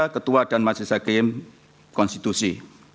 ketua dan masyarakat sakim konstitusi